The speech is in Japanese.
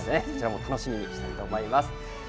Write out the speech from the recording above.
こちらも楽しみにしたいと思います。